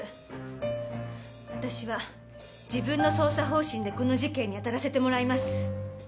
私は自分の捜査方針でこの事件に当たらせてもらいます。